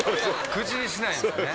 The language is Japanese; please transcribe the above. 口にしないんですね。